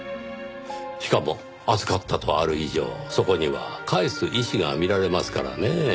しかも「預かった」とある以上そこには返す意思が見られますからねぇ。